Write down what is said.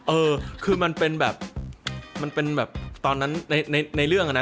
เออคือมันเป็นแบบมันเป็นแบบตอนนั้นในเรื่องอะนะ